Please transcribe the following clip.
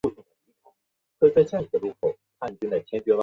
仁安羌镇为缅甸马圭省马圭县的镇区。